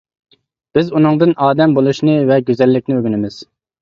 بىز ئۇنىڭدىن ئادەم بولۇشنى ۋە گۈزەللىكنى ئۆگىنىمىز.